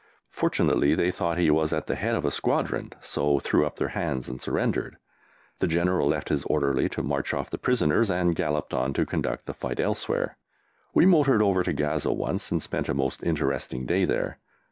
Fortunately they thought he was at the head of a Squadron, so threw up their hands and surrendered. The General left his orderly to march off the prisoners and galloped on to conduct the fight elsewhere. We motored over to Gaza once and spent a most interesting day there.